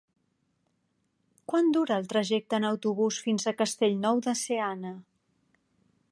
Quant dura el trajecte en autobús fins a Castellnou de Seana?